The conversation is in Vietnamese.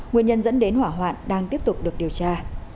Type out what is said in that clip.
nguyên nhân dẫn đến hỏa hoạn đang tiếp tục được điều tra